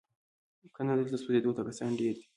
کنه دلته سوځېدو ته کسان ډیر دي